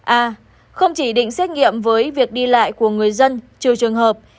a không chỉ định xét nghiệm với việc đi lại của người dân trừ trường hợp